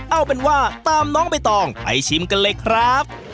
เอาเป็นว่าตามน้องใบตองไปชิมกันเลยครับ